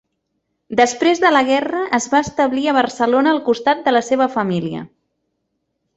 Després de la guerra, es va establir a Barcelona al costat de la seva família.